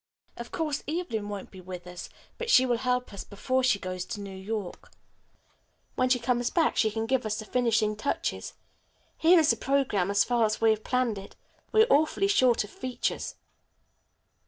Of course, Evelyn won't be with us, but she will help us before she goes to New York. When she comes back she can give us the finishing touches. Here is the programme as far as we have planned it. We are awfully short of features."